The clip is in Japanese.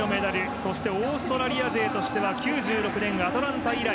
そしてオーストラリア勢としては９６年アトランタ以来。